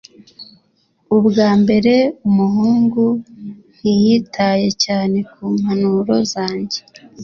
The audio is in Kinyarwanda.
Ubwa mbere, umuhungu ntiyitaye cyane kumpanuro zanjye.